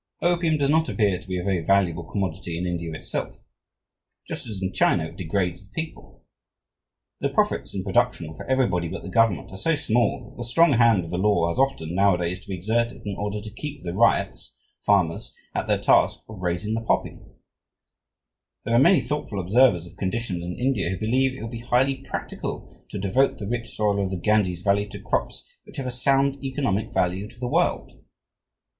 Opium does not appear to be a very valuable commodity in India itself. Just as in China, it degrades the people. The profits in production, for everybody but the government, are so small that the strong hand of the law has often, nowadays, to be exerted in order to keep the ryots (farmers) at the task of raising the poppy. There are many thoughtful observers of conditions in India who believe it would be highly "practical" to devote the rich soil of the Ganges Valley to crops which have a sound economic value to the world.